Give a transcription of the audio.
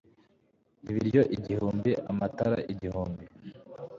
ibiryo igihumbi, amatara igihumbi